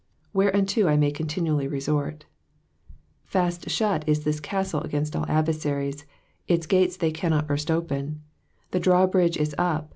^^Whereunto I may continually renorV Fast shut is this castle against all adversaries, its gates they cannot burst open ; the drawbridge is up.